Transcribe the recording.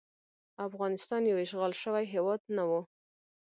افغانستان یو اشغال شوی هیواد نه وو.